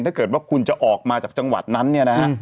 ถ้าเกิดว่าคุณจะออกมาจากจังหวัดนั้นเนี่ยนะฮะ